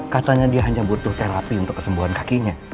katanya dia hanya butuh terapi untuk kesembuhan kakinya